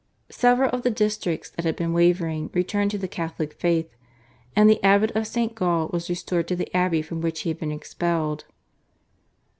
Several of the districts that had been wavering returned to the Catholic faith, and the abbot of St. Gall was restored to the abbey from which he had been expelled.